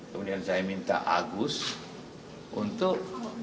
kemudian saya minta agus untuk